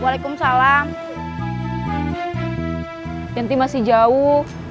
buat aku dia insan dan nigih itu ngata